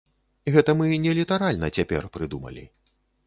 Гэта мы не літаральна цяпер прыдумалі.